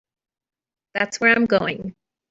That's where I'm going.